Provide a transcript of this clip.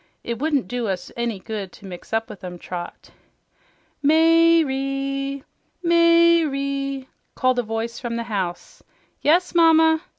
"It wouldn't do us any good to mix up with 'em, Trot." "May re! May re!" called a voice from the house. "Yes, Mamma!"